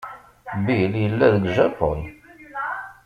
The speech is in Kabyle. Bill yella deg Japun.